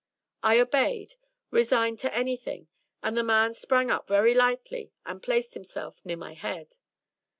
I obeyed, resigned to anything, and the man sprang up very lightly and placed himself near my head.